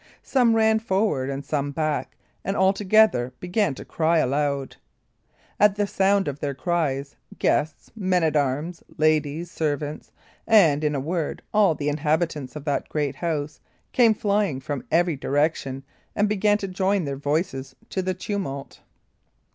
Some ran forward and some back, and all together began to cry aloud. At the sound of their cries, guests, men at arms, ladies, servants, and, in a word, all the inhabitants of that great house, came flying from every direction, and began to join their voices to the tumult.